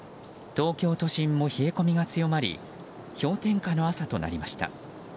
東京都心も冷え込みが強まり氷点下の朝となりました。